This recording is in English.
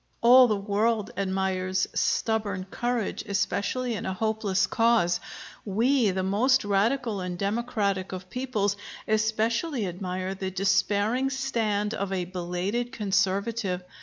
All the world admires stubborn courage, especially in a hopeless cause. We, the most radical and democratic of peoples, especially admire the despairing stand of a belated conservative.